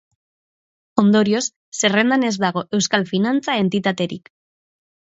Ondorioz, zerrendan ez dago euskal finantza-entitaterik.